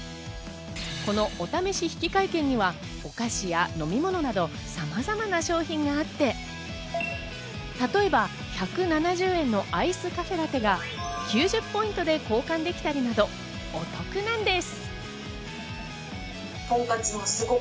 このお試し引換券にはお菓子や飲み物などさまざまな商品があって、例えば１７０円のアイスカフェラテが９０ポイントで交換できたりなど、お得なんです。